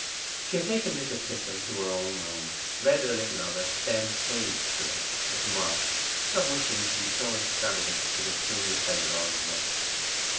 She had taken this epistle into her own room, read a little of it, then SAVED the rest for to morrow, not wishing to be so extravagant as to consume the pleasure all at once.